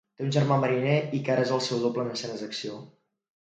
Té un germà mariner i que ara és el seu doble en escenes d'acció.